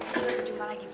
sampai jumpa lagi bu